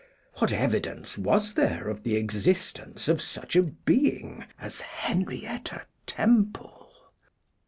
What evidence was there of the existence of such a being as Henrietta Temple?